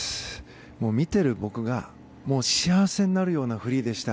見ている僕が幸せになるようなフリーでした。